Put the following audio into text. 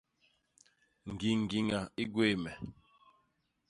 Ñgiñgiña i gwéé me.